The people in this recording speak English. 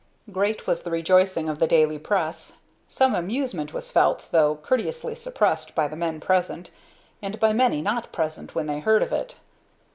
Great was the rejoicing of the daily press; some amusement was felt, though courteously suppressed by the men present, and by many not present, when they heard of it.